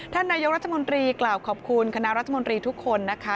ท่านนายกรัฐมนตรีกล่าวขอบคุณคณะรัฐมนตรีทุกคนนะคะ